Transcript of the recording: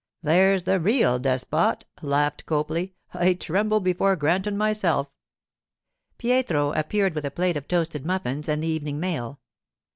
'There's the real despot,' laughed Copley. 'I tremble before Granton myself.' Pietro appeared with a plate of toasted muffins and the evening mail. Mr.